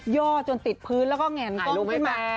่อจนติดพื้นแล้วก็แง่นก้มขึ้นมา